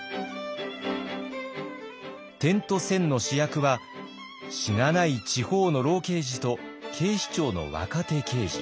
「点と線」の主役はしがない地方の老刑事と警視庁の若手刑事。